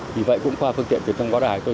vì vậy cũng qua phương tiện tuyệt vọng có đài